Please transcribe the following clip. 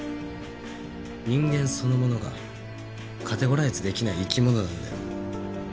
人間そのものがカテゴライズできない生き物なんだよ。